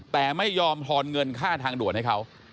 แต่ไม่ยอมทอนเงินค่าทางด่วนให้เขา